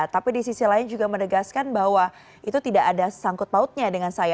tapi di sisi lain juga menegaskan bahwa itu tidak ada sangkut pautnya dengan saya